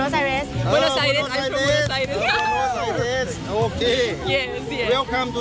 สวัสดีครับ